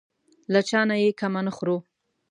له چا نه یې کمه نه خورو.